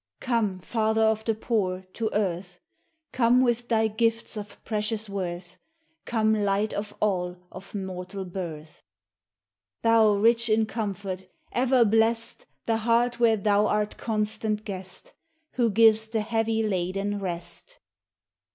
Come, Father of the poor, to earth; Come, with thy gifts of precious worth; Come Light of all of mortal birth! Thou rich in comfort! Ever blest The heart where thou art constant guest, Who giv'st the heavy laden rest.